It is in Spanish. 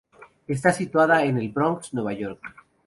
Está situada en el Bronx, Nueva York.